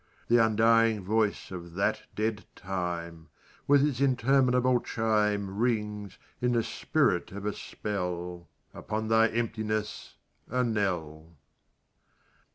The undying voice of that dead time, With its interminable chime, Rings, in the spirit of a spell, Upon thy emptiness a knell.